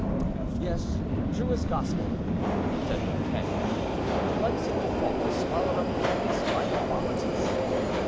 "Yes, true as Gospel," said D'Artagnan; "but one single fault has swallowed up all these fine qualities."